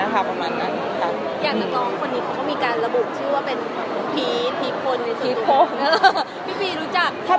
ขอคิดก่อนนะในค่ายเรามีใครบ้าง